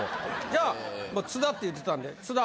じゃあ津田って言うてたんで津田。